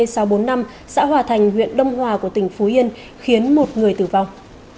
xã hòa thành huyện đông hòa của tỉnh phú yên khiến một người tử vong